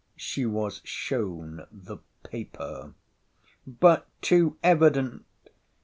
—— She was shown the paper—— But too evident!